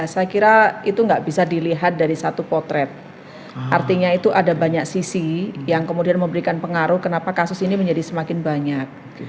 saya kira itu nggak bisa dilihat dari satu potret artinya itu ada banyak sisi yang kemudian memberikan pengaruh kenapa kasus ini menjadi semakin banyak